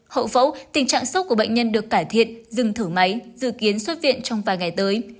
hậu phẫu tình trạng sốc của bệnh nhân được cải thiện dừng thử máy dự kiến xuất viện trong vài ngày tới